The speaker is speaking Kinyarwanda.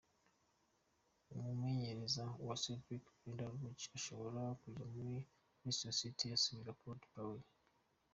Umumenyereza wa Celtic, Brendan Rodgers ashobora kuja muri Leicester City gusubirira Claude Puel.